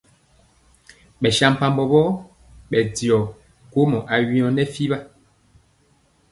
Ɓɛsampabɔ woo ɓɛ jɔ gwomɔ awyɛŋ nɛ fiɓa.